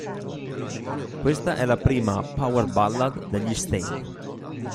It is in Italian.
Questa è la prima "power ballad" degli Staind.